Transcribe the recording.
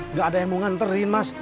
nggak ada yang mau nganterin mas